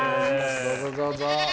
どうぞどうぞ。